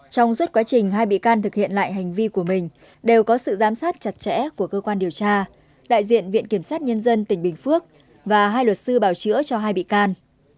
trong suốt quá trình hai bị can thực hiện lại hành vi của mình đều có sự giám sát chặt chẽ của cơ quan điều tra đại diện viện kiểm sát nhân dân tỉnh bình phước và hai luật sư bảo chữa cho hai bị can